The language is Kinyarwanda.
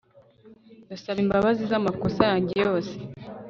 ndasaba imbabazi z'amakosa yanjye yose